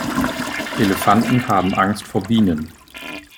Elefanten haben Angst vor Bienen.